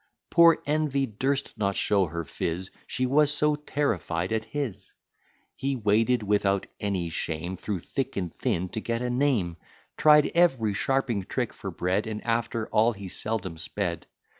Poor Envy durst not show her phiz, She was so terrified at his. He waded, without any shame, Through thick and thin to get a name, Tried every sharping trick for bread, And after all he seldom sped.